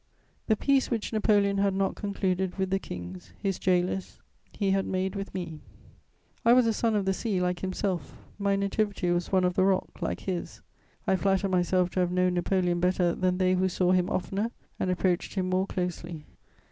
The peace which Napoleon had not concluded with the kings his gaolers he had made with me: I was a son of the sea like himself; my nativity was one of the rock like his. I flatter myself to have known Napoleon better than they who saw him oftener and approached him more closely.